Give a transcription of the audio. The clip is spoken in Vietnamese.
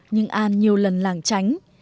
nhưng an nhiều lần làng tránh